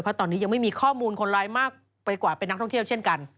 เพราะตอนนี้ยังไม่มีข้อมูลคนร้ายมากไปกว่าเป็นนักท่องเที่ยวเช่นกัน